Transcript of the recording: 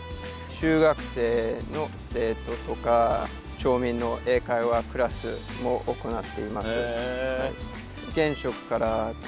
中学生の生徒とか町民の英会話クラスも行っています。